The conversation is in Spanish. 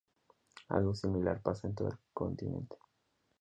Algo similar pasa en todo el continente.